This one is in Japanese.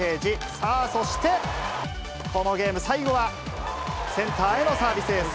さあそして、このゲーム最後は、センターへのサービスエース。